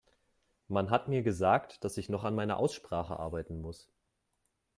Man hat mir gesagt, dass ich noch an meiner Aussprache arbeiten muss.